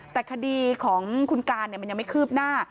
แต่คดีของคุณการมันยังไม่คืบหน้า